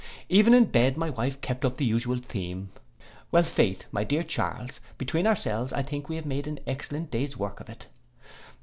Even in bed my wife kept up the usual theme: 'Well, faith, my dear Charles, between ourselves, I think we have made an excellent day's work of it.